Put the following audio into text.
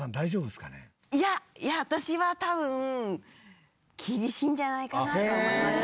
いや私は多分厳しいんじゃないかなと思いますね。